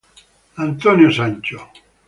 Antonio Sancho